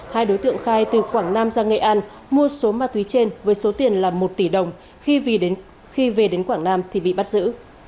hai đối tượng khai từ quảng nam ra nghệ an mua số ma túy trên với số tiền là một tỷ đồng khi về đến quảng nam thì bị bắt giữ